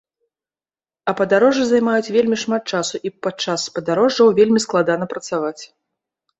А падарожжы займаюць вельмі шмат часу і падчас падарожжаў вельмі складана працаваць.